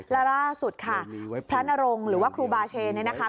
และล่าสุดค่ะพระนรงค์หรือว่าครูบาเชนเนี่ยนะคะ